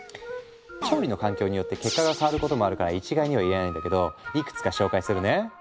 調理の環境によって結果が変わることもあるから一概には言えないんだけどいくつか紹介するね。